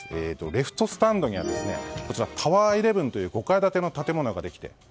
レフトスタンドにはタワーイレブンという５階建ての建物ができて。